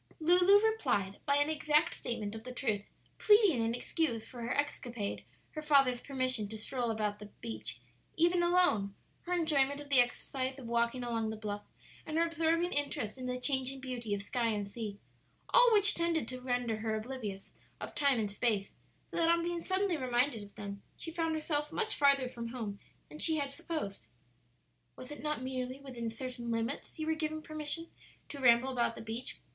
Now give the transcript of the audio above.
Lulu replied by an exact statement of the truth, pleading in excuse for her escapade her father's permission to stroll about the beach, even alone, her enjoyment of the exercise of walking along the bluff, and her absorbing interest in the changing beauty of sky and sea all which tended to render her oblivious of time and space, so that on being suddenly reminded of them she found herself much farther from home than she had supposed. "Was it not merely within certain limits you were given permission to ramble about the beach?"